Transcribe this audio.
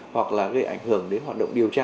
hoặc là gây ảnh hưởng đến hoạt động điều tra